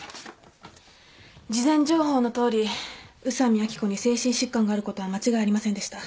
事前情報のとおり宇佐美秋子に精神疾患があることは間違いありませんでした。